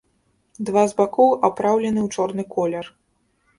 Два з бакоў апраўлены ў чорны колер.